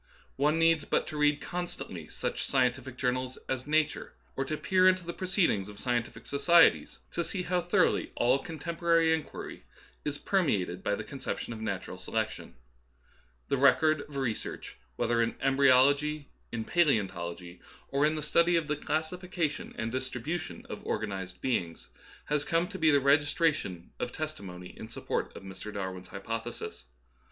One needs but to read constantly such scientific jour nals as " Nature," or to peer into the proceedings of scientific societies, to see how thoroughly all' contemporary inquiry is permeated by the con ception of natural selection. The record of re search, whether in embryology, in paleeontology, or in the study of the classification and distri bution of organized beings, has come to be the registration of testimony in support of Mr. Dar win's hypothesis.